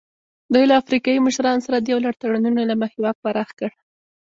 دوی له افریقایي مشرانو سره د یو لړ تړونونو له مخې واک پراخ کړ.